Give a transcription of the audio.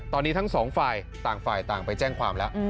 ตอนนี้ทั้งสองฝ่ายต่างไปแจ้งความแล้ว